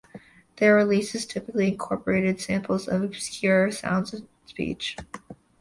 Their releases typically incorporated samples of obscure sounds and speech.